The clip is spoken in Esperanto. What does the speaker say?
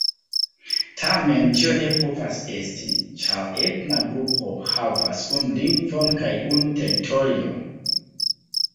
Tamen tio ne povas esti, ĉar etna grupo havas unu lingvon kaj unu teritorion.